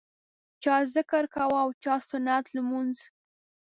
چا ذکر کاوه او چا سنت لمونځ.